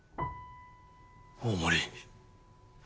大森。